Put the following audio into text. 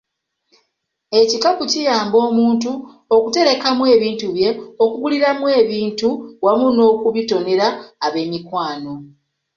Ekikapu kiyamba omuntu okuterekamu ebintu bye, okuguliramu ebintu wamu n'okubitonera ab'emikwano.